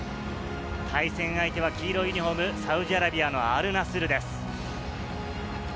対戦相手は黄色いユニホーム、サウジアラビアのアルナスルです。